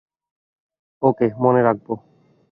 ওকে, মনে রাখব।